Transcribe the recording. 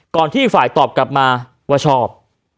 ที่ฝ่ายตอบกลับมาว่าชอบ